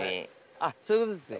あっそういうことですね。